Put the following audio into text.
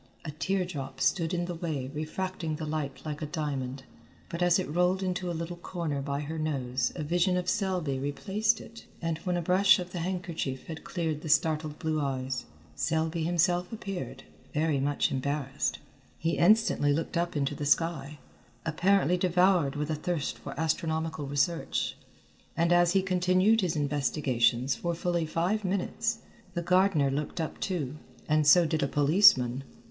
A tear drop stood in the way refracting the light like a diamond, but as it rolled into a little corner by her nose a vision of Selby replaced it, and when a brush of the handkerchief had cleared the startled blue eyes, Selby himself appeared, very much embarrassed. He instantly looked up into the sky, apparently devoured with a thirst for astronomical research, and as he continued his investigations for fully five minutes, the gardener looked up too, and so did a policeman.